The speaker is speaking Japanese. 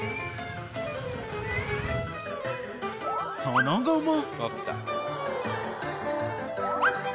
［その後も］